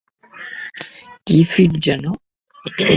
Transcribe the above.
কী fit যেন?